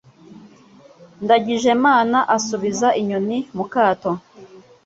Ndangijemana asubiza inyoni mu kato.